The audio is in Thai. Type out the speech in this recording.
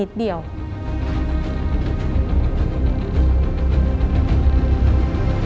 คิดและร่วง